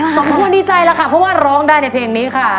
สมควรดีใจแล้วค่ะเพราะว่าร้องได้ในเพลงนี้ค่ะ